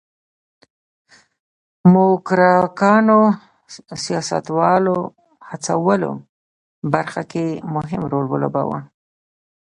موکراکانو سیاستوالو هڅولو برخه کې مهم رول ولوباوه.